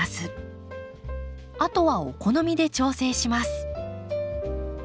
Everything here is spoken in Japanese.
あとはお好みで調整します。